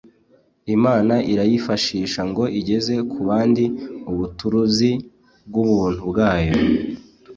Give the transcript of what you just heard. Imana irayifashisha ngo igeze ku bandi ubuturuzi bw'ubuntu bwayo.